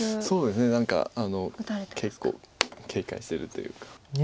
そうですね何か結構警戒してるというか。